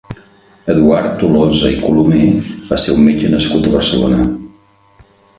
Eduard Tolosa i Colomer va ser un metge nascut a Barcelona.